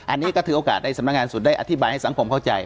อันนี้ก็ถือโอกาสในสำนักงานสุดได้อธิบายให้สังคมเข้าใจ